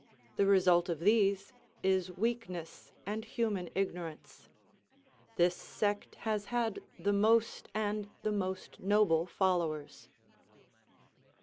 The result of these is weakness and human ignorance. This sect has had the most and the most noble followers.